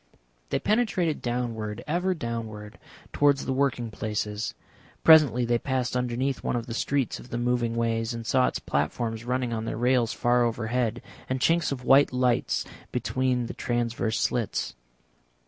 They penetrated downward, ever downward, towards the working places. Presently they passed underneath one of the streets of the moving ways, and saw its platforms running on their rails far overhead, and chinks of white lights between the transverse slits.